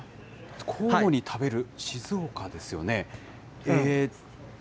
交互に食べる、静岡ですよね。